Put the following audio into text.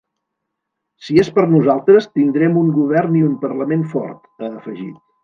Si és per nosaltres tindrem un govern i un parlament fort, ha afegit.